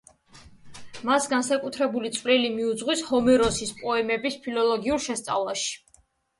მას განსაკუთრებული წვლილი მიუძღვის ჰომეროსის პოემების ფილოლოგიურ შესწავლაში.